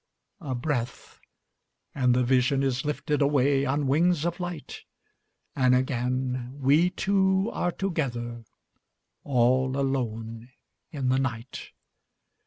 A breath, and the vision is lifted Away on wings of light, And again we two are together, All alone in the night.